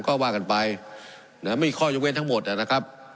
ก็ว่ากันไปเนี้ยมีข้อยุเวททั้งหมดอ่ะนะครับ